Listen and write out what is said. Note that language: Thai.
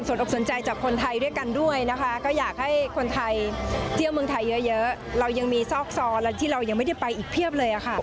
สวยทุกคนจริงเลยนะครับ